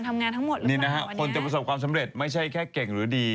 บอกว่าวนี้นะครับคนจะผสมความสำเร็จไม่ใช่แค่เก่งหรือดี